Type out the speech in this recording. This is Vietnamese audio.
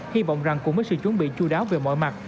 hy vọng rằng cùng với sự chuẩn bị chú đáo về mọi mặt